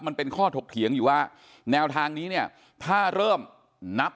มันเป็นข้อถกเถียงอยู่ว่าแนวทางนี้เนี่ยถ้าเริ่มนับ